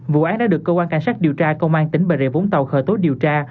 vụ án đã được cơ quan cảnh sát điều tra công an tỉnh bà rịa vũng tàu khởi tố điều tra